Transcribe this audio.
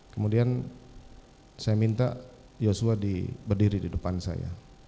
kemudian saya minta joshua berdiri di depan saya